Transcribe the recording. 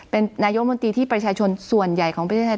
เป็นนายกมนตรีที่ประชาชนส่วนใหญ่ของประเทศไทย